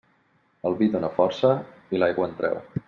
El vi dóna força i l'aigua en treu.